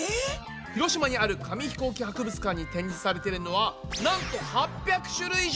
広島にある紙ヒコーキ博物館に展示されてるのはなんと８００種類以上！